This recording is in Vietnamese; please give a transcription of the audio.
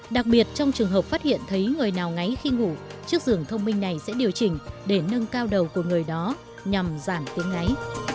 đặc biệt trong trường hợp phát hiện thấy người nào ngáy khi ngủ chiếc giường thông minh này sẽ điều chỉnh để nâng cao đầu của người đó nhằm giảm tiếng ái